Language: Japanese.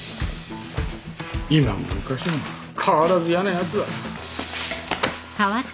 今も昔も変わらず嫌なやつだ。